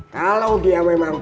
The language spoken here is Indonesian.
kalo dia memang